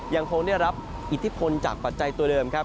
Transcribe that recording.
ยังคงได้รับอิทธิพลจากปัจจัยตัวเดิมครับ